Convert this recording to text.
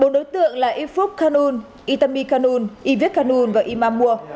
bốn đối tượng là ifuk kanun itami kanun yviek kanun và imam mua